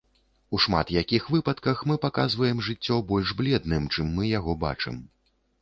У шмат якіх выпадках мы паказваем жыццё больш бледным, чым мы яго бачым.